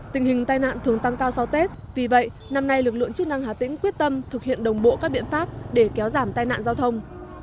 tình hình tai nạn thường tăng cao sau tết vì vậy năm nay lực lượng chức năng hà tĩnh quyết tâm thực hiện đồng bộ các biện pháp để kéo giảm tai nạn giao thông